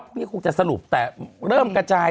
พรุ่งนี้คงจะสรุปแต่เริ่มกระจาย